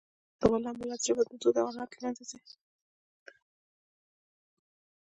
د غلام ملت ژبه، دود او عنعنات له منځه ځي.